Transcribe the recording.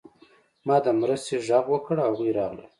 ما د مرستې غږ وکړ او هغوی راغلل